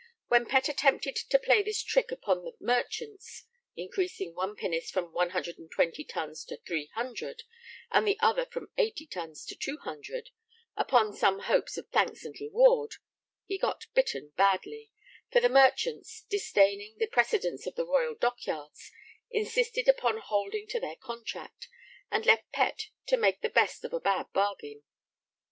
When Pett attempted to play this trick upon the merchants (increasing one pinnace from 120 tons to 300, and the other from 80 tons to 200), 'upon some hopes of thanks and reward,' he got bitten badly, for the merchants, disdaining the precedents of the royal dockyards, insisted upon holding to their contract, and left Pett to make the best of a bad bargain.